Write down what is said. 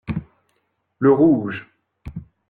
Le rouge.